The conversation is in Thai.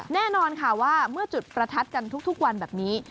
แน่นอนค่ะว่าเมื่อจุดประทัดกันทุกวันแบบนี้